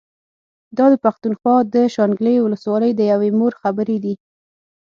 دا د پښتونخوا د شانګلې ولسوالۍ د يوې مور خبرې دي